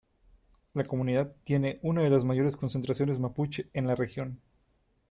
La comunidad tiene una de las mayores concentraciones mapuche en la región.